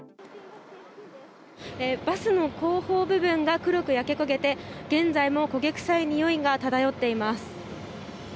バスの後方部分が黒く焼け焦げて現在も焦げ臭いにおいが漂っています。